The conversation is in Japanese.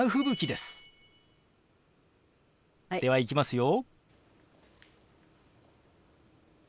ではいきますよ。